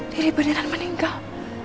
diri beneran meninggal